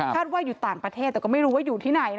ว่าอยู่ต่างประเทศแต่ก็ไม่รู้ว่าอยู่ที่ไหน